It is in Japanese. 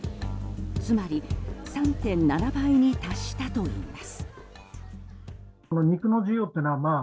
つまり３．７倍に達したといいます。